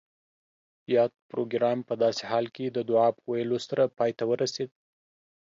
یاد پروګرام پۀ داسې حال کې د دعا پۀ ویلو سره پای ته ورسید